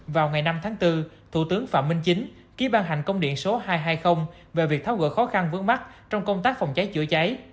vào ngày năm tháng bốn thủ tướng phạm minh chính ký ban hành công điện số hai trăm hai mươi về việc tháo gỡ khó khăn vướng mắt trong công tác phòng cháy chữa cháy